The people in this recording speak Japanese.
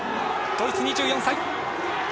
ドイツ、２４歳。